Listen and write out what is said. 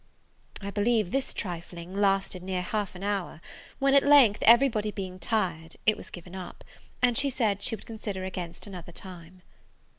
I believe this trifling lasted near half an hour; when at length, every body being tired, it was given up, and she said she would consider against another time.